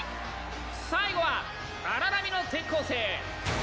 最後は荒波の転校生